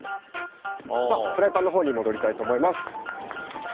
フライパンのほうに戻りたいと思います。